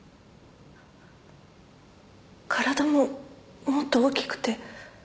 体ももっと大きくて。